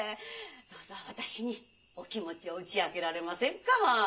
どうぞ私にお気持ちを打ち明けられませんか？